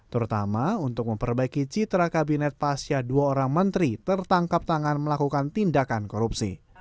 terutama untuk memperbaiki citra kabinet pasca dua orang menteri tertangkap tangan melakukan tindakan korupsi